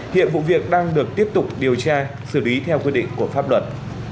hiện vụ việc đang được tiếp tục điều tra xử lý theo quy định của pháp luật